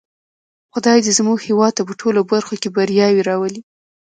خدای دې زموږ هېواد ته په ټولو برخو کې بریاوې راولی.